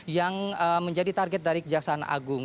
yang menjadi target dari kejaksaan agung